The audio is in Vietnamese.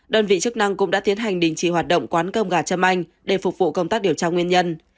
đơn vị chức năng cũng đã tiến hành đình chỉ hoạt động quán cơm gà châm anh để phục vụ công tác điều tra nguyên nhân